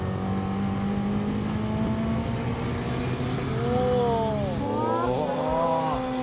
おお。